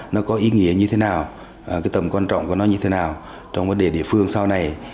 nó có ý nghĩa như thế nào cái tầm quan trọng của nó như thế nào trong vấn đề địa phương sau này